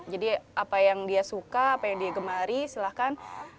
jadi apa yang dia suka apa yang dia gemari silahkan